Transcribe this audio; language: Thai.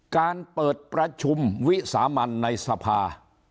การเปิดประชุมวิสามันในสภา